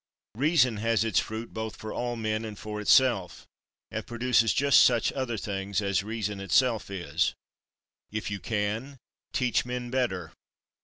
Reason has its fruit both for all men and for itself, and produces just such other things as reason itself is. 11. If you can, teach men better.